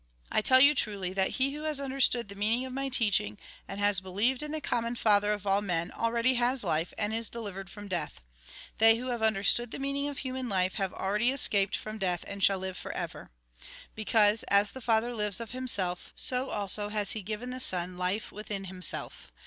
" I tell you truly, that he who has understood the meaning of my teaching, and has believed in the common Father of all men, already has life, and is delivered from death. They who have understood the meaning of human life, have already escaped from death and shall live for ever. Because, as the Father lives of Himself, so also has He given the Son life within himself.